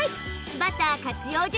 バター活用術